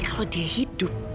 kalau dia hidup